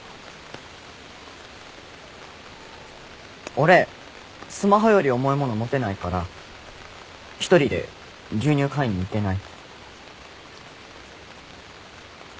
俺スマホより重いもの持てないから一人で牛乳買いに行けない。